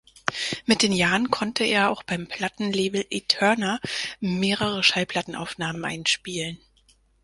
Mit den Jahren konnte er auch beim Plattenlabel Eterna mehrere Schallplattenaufnahmen einspielen.